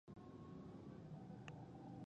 هغه کارونه چي ګارډ باید د هغوی څخه ډډه وکړي.